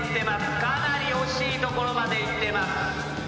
かなり惜しい所までいってます。